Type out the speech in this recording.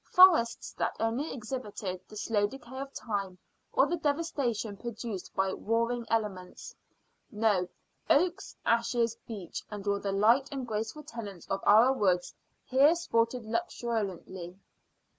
Forests that only exhibited the slow decay of time or the devastation produced by warring elements. No; oaks, ashes, beech, and all the light and graceful tenants of our woods here sported luxuriantly.